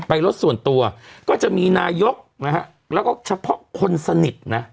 รถส่วนตัวก็จะมีนายกนะฮะแล้วก็เฉพาะคนสนิทนะ